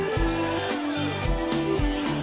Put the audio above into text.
สวัสดีค่ะ